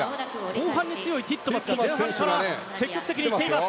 後半に強いティットマス前半から積極的に行っています。